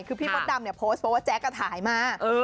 คือพี่มดดำพูดว่าแจ๊คก็ถ่ายมา